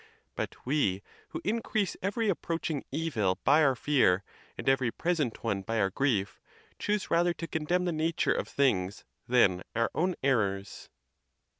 But we, who increase ey ery approaching evil by our fear, and every present one by our grief, choose rather to condemn the nature of things than our own errors.